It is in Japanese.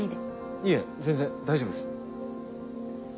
いえ全然大丈夫っす。